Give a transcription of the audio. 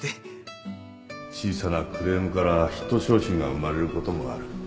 小さなクレームからヒット商品が生まれることもある